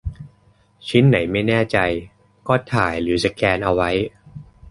ชิ้นไหนไม่แน่ใจก็ถ่ายหรือสแกนเอาไว้